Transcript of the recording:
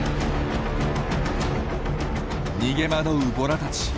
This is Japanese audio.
逃げ惑うボラたち。